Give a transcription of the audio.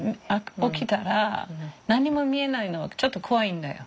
起きたら何も見えないのはちょっと怖いんだよ。